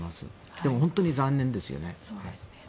でも本当に残念ですよね。